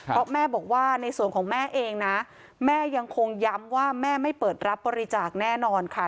เพราะแม่บอกว่าในส่วนของแม่เองนะแม่ยังคงย้ำว่าแม่ไม่เปิดรับบริจาคแน่นอนค่ะ